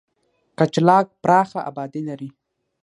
کچلاغ پراخه آبادي لري.